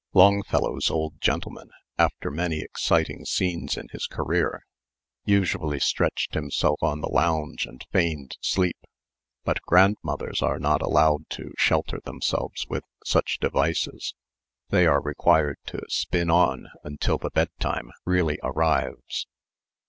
Longfellow's old gentleman, after many exciting scenes in his career, usually stretched himself on the lounge and feigned sleep. But grandmothers are not allowed to shelter themselves with such devices; they are required to spin on until the bedtime really arrives.